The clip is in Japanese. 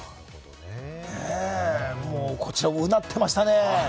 もうこちらも、うなってましたね。